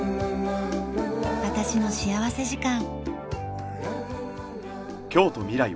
『私の幸福時間』。